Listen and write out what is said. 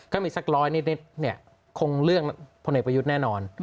ก็มีสักร้อยนิดคงเรื่องผลโณยประยุทธิ์แน่นอน